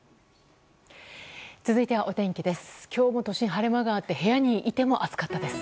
続いては、お天気です。